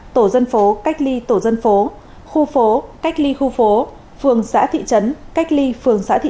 tổ dân phố cách ly tổ dân phố khu phố cách ly khu phố phường xã thị trấn cách ly phường xã thị